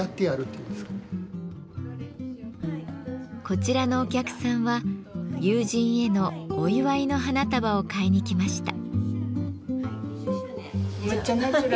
こちらのお客さんは友人へのお祝いの花束を買いに来ました。